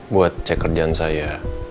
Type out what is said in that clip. buat cek kerjaan saya